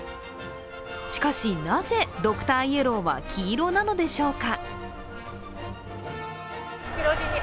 しかし、なぜドクターイエローは黄色なのでしょうか。